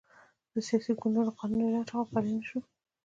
د سیاسي ګوندونو قانون اعلان شو، خو پلی نه شو.